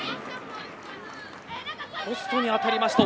ポストに当たりました。